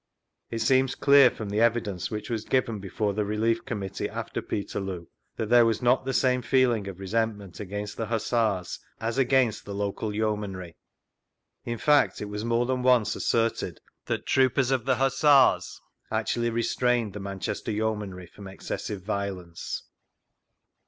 It seems clear from the evidence which was given before the Relief Committee, after Peterloo, that theft was ■V Google 1 SIR WILLIAM JOLLIFFE 4? not the same feeling of resentment against tHe Hussars as against the local Yeomanry; in fact, it was more than once asserted that troopers of the Hussars actually restrained the Manchester Yeo* manry from excessive violence.